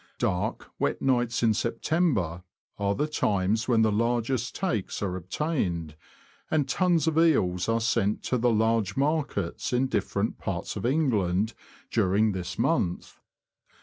Dark, wet nights in September are the times when the largest takes are obtained, and tons of eels are sent to the large markets in different parts of England during this month.